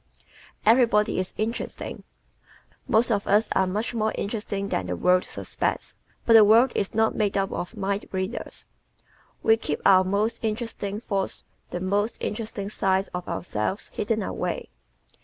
Everybody is Interesting ¶ Most of us are much more interesting than the world suspects. But the world is not made up of mind readers. We keep our most interesting thoughts and the most interesting side of ourselves hidden away.